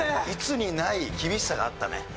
いつにない厳しさがあったね。